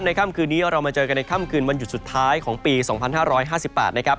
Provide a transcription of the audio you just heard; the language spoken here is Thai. ในค่ำคืนนี้เรามาเจอกันในค่ำคืนวันหยุดสุดท้ายของปีสองพันห้าร้อยห้าสิบแปดนะครับ